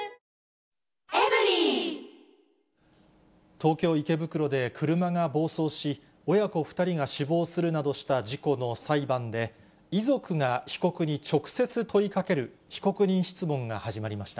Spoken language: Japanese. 東京・池袋で車が暴走し、親子２人が死亡するなどした事故の裁判で、遺族が被告に直接問いかける被告人質問が始まりました。